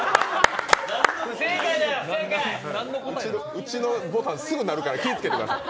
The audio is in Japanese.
うちのボタン、すぐ鳴るから気をつけてください。